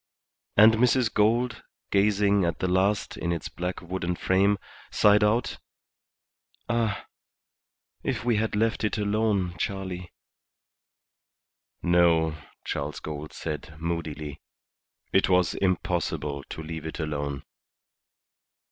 And Mrs. Gould, gazing at the last in its black wooden frame, sighed out "Ah, if we had left it alone, Charley!" "No," Charles Gould said, moodily; "it was impossible to leave it alone."